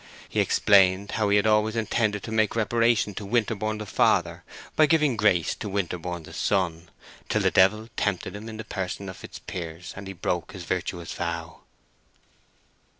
He explained how he had always intended to make reparation to Winterborne the father by giving Grace to Winterborne the son, till the devil tempted him in the person of Fitzpiers, and he broke his virtuous vow.